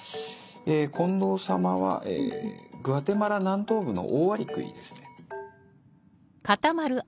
近藤様はグアテマラ南東部のオオアリクイですね。